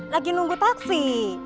lagi nunggu taksi